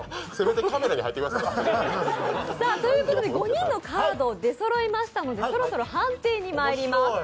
５人のカード、出そろいましたので、そろそろ判定にまりいます。